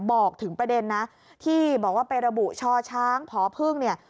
บอกถึงประเด็นนะที่บอกว่าไประบุช่อช้างผอพึ่งเนี่ย